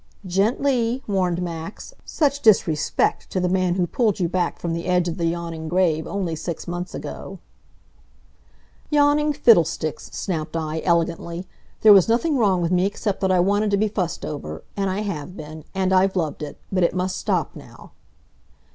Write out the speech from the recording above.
"Gently," warned Max. "Such disrespect to the man who pulled you back from the edge of the yawning grave only six months ago!" "Yawning fiddlesticks!" snapped I, elegantly. "There was nothing wrong with me except that I wanted to be fussed over. And I have been. And I've loved it. But it must stop now."